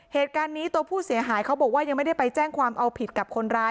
เหตุการณ์นี้ตัวผู้เสียหายเขาบอกว่ายังไม่ได้ไปแจ้งความเอาผิดกับคนร้าย